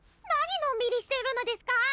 ⁉何のんびりしてるのですか！